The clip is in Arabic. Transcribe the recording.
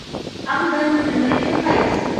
أغزل من امرئ القيس